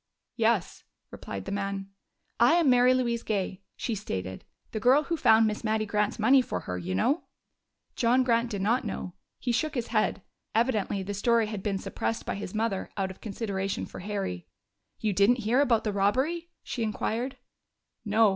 "Yes," replied the man. "I am Mary Louise Gay," she stated. "The girl who found Miss Mattie Grant's money for her, you know." John Grant did not know; he shook his head. Evidently the story had been suppressed by his mother out of consideration for Harry. "You didn't hear about the robbery?" she inquired. "No.